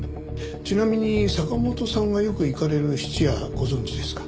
ちなみに坂本さんがよく行かれる質屋ご存じですか？